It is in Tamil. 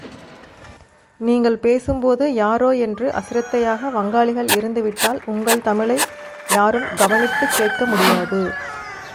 நீங்கள் பேசும்போது யாரோ என்று அசிரத்தையாக வங்காளிகள் இருந்துவிட்டால் உங்கள் தமிழை யாரும் கவனித்துக் கேட்க முடியாது.